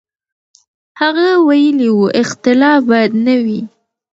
هغه ویلي و، اختلاف باید نه وي.